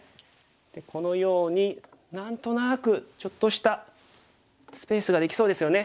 このように何となくちょっとしたスペースができそうですよね。